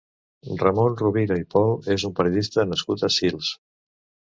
Ramon Rovira i Pol és un periodista nascut a Sils.